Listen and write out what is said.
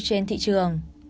trên thị trường